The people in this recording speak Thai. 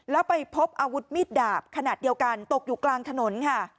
แล้วไปพบอาวุธมีดดาบขนาดเดียวกันตกอยู่กลางถนนค่ะ